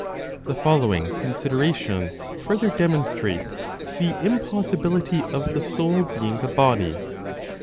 The following considerations further demonstrate the impossibility of the soul being a body.